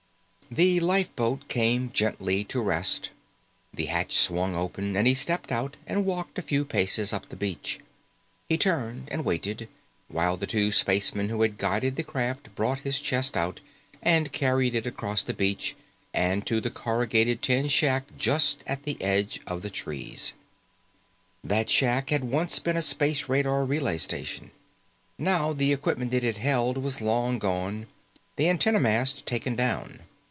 The lifeboat came gently to rest. The hatch swung open and he stepped out and walked a few paces up the beach. He turned and waited while the two spacemen who had guided the craft brought his chest out and carried it across the beach and to the corrugated tin shack just at the edge of the trees. That shack had once been a space radar relay station. Now the equipment it had held was long gone, the antenna mast taken down.